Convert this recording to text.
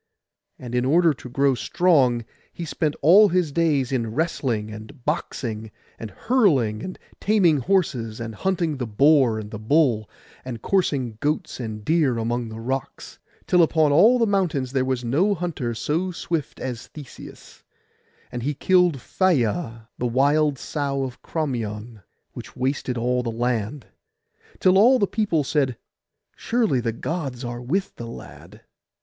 And in order to grow strong he spent all his days in wrestling, and boxing, and hurling, and taming horses, and hunting the boar and the bull, and coursing goats and deer among the rocks; till upon all the mountains there was no hunter so swift as Theseus; and he killed Phaia the wild sow of Crommyon, which wasted all the land; till all the people said, 'Surely the Gods are with the lad.